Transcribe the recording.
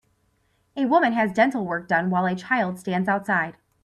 A woman has dental work done while a child stands outside.